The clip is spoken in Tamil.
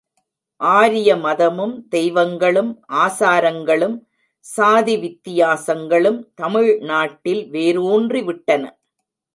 ஆரிய மதமும் தெய்வங்களும் ஆசாரங்களும் சாதி வித்தியாசங்களும் தமிழ் நாட்டில் வேரூன்றிவிட்டன.